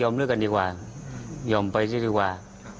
เลิกกันดีกว่ายอมไปซะดีกว่า